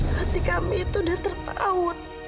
hati kami itu sudah terpaut